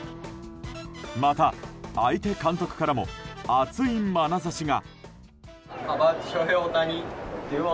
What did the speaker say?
また、相手監督からも熱いまなざしが。